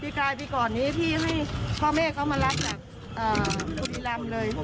ปีกรายปีก่อนนี้พี่ให้พ่อเมฆเขามารับจากภูมิแรมเลย